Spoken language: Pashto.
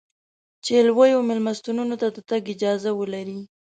چې لویو مېلمستونو ته د تګ اجازه ولرې.